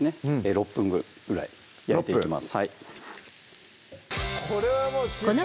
６分ぐらい焼いていきます